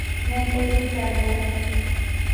میں ایک Urdu chat bot ہوں۔